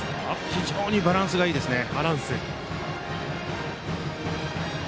非常にバランスがいいですね。